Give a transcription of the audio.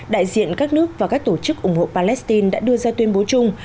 đại diện các nước và các tổ chức ủng hộ palestine đã đưa ra tuyên bố chung